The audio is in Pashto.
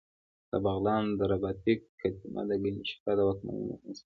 د بغلان د رباطک کتیبه د کنیشکا د واکمنۍ مهم سند دی